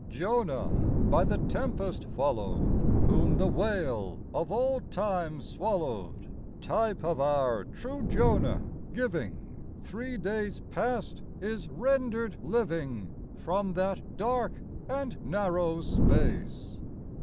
Jonah, by the tempest followed, Whom the whale of old time swallowed, Type of our true Jonah giving, Three days past, is rendered living From that dark and narrow space.